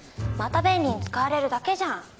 また便利に使われるだけじゃん。